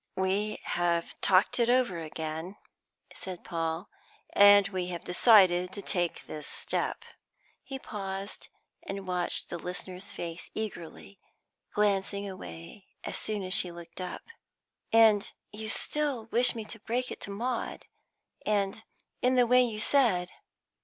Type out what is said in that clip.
"We have talked it over again," said Paul, "and we have decided to take this step." He paused and watched the listener's face eagerly, glancing quickly away as soon as she looked up. "And you still wish me to break it to Maud, and in the way you said?"